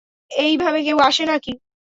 এইভাবে কেউ আসে নাকি?